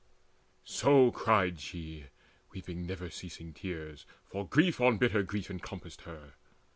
So cried she, weeping never ceasing tears, For grief on bitter grief encompassed her.